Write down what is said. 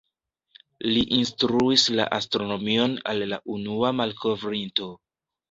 Li instruis la astronomion al la unua malkovrinto.